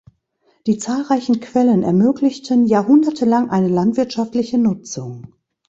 Die zahlreichen Quellen ermöglichten jahrhundertelang eine landwirtschaftliche Nutzung.